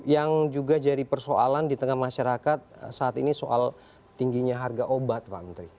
yang juga jadi persoalan di tengah masyarakat saat ini soal tingginya harga obat pak menteri